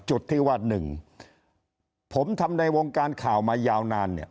จุดที่ว่า๑ผมทำในวงการข่าวมายาวนาน